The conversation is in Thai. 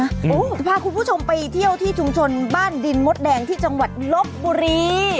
โอ้โหพาคุณผู้ชมไปเที่ยวที่ชุมชนบ้านดินมดแดงที่จังหวัดลบบุรี